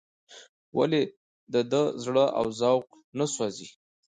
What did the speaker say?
ولې د ده زړه او ذوق نه سوزي.